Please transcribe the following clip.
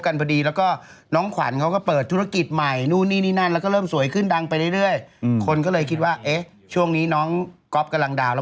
ไทยรัฐเคยทำก๊อปไม้ตุ๊กไงนี่ก๊อปไม้แก้ว